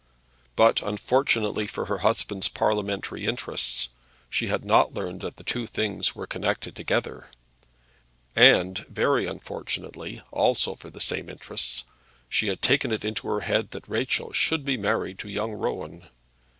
But, unfortunately for her husband's parliamentary interests, she had not learned that the two things were connected together. And, very unfortunately also for the same interests, she had taken it into her head that Rachel should be married to young Rowan.